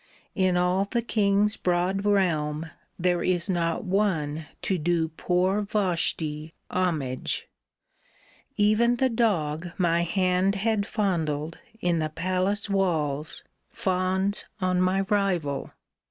In all the king's broad realm there is not one To do poor Vashti homage. Even the dog My hand had fondled, in the palace walls Fawns on my rival.